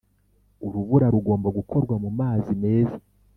Urubura rugomba gukorwa mu mazi meza